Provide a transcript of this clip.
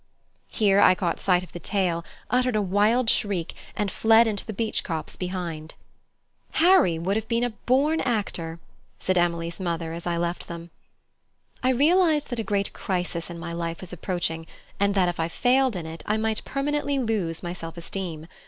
Here I caught sight of the tail, uttered a wild shriek and fled into the beech copse behind. "Harry would have been a born actor," said Emily's mother as I left them. I realized that a great crisis in my life was approaching, and that if I failed in it I might permanently lose my self esteem.